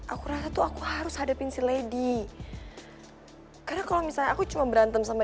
aku rasa tuh aku harus hadapin si lady karena kalau misalnya aku cuma berantem sama